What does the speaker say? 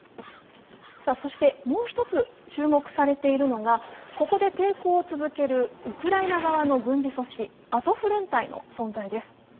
そしてもう一つ注目されているのはウクライナ側の軍事組織、アゾフ連隊の存在です。